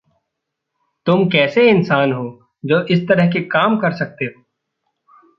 तुम कैसे इनसान हो जो इस तरह के काम कर सकते हो?